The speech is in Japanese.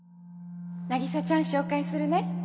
凪沙ちゃん紹介するね。